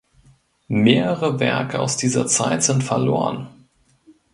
Mehrere Werke aus dieser Zeit sind verloren.